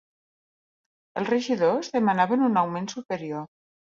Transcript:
Els regidors demanaven un augment superior